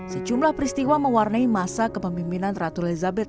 sejumlah peristiwa mewarnai masa kepemimpinan ratu elizabeth